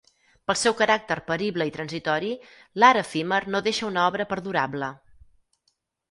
Pel seu caràcter perible i transitori, l'art efímer no deixa una obra perdurable.